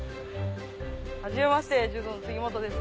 はじめまして柔道の杉本です。